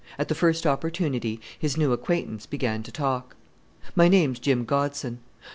At the first opportunity his new acquaintance began to talk. "My name's Jim Godson.